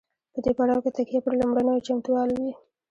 په دې پړاو کې تکیه پر لومړنیو چمتووالو وي.